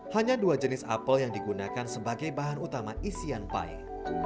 hanya dua jenis apel yang digunakan sebagai bahan utama isian pae